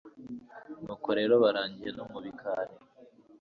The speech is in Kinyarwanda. nuko rero baragiye no mu bikari